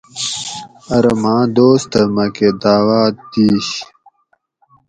ارو ماۤں دوستہ مکہ داعوات دیِش